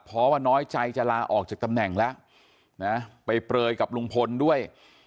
เพราะว่าน้อยใจจะลาออกจากตำแหน่งแล้วนะไปเปลยกับลุงพลด้วย